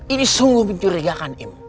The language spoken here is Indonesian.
ini sungguh mencurigakan im